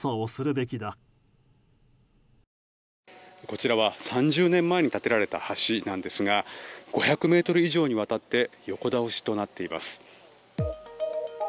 こちらは３０年前に建てられた橋なんですが５００ｍ以上にわたって横倒しとなっています。